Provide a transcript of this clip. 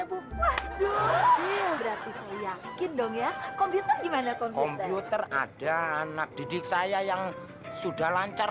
bu berarti saya yakin dong ya komitmen gimana konfir ada anak didik saya yang sudah lancar